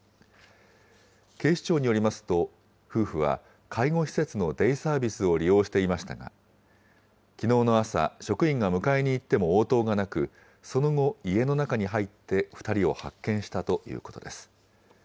警視庁によりますと、夫婦は介護施設のデイサービスを利用していましたが、きのうの朝、職員が迎えに行っても応答がなく、その後、家の中に入って２人を発見したということです。